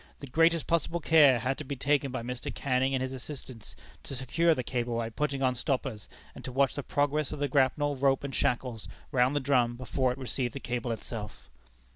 The greatest possible care had to be taken by Mr. Canning and his assistants, to secure the cable by putting on stoppers, and to watch the progress of the grapnel, rope, and shackles, round the drum, before it received the cable itself."